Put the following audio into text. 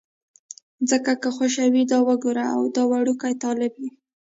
ځکه که خوشې وي، دا وګوره دا وړوکی طالب یې.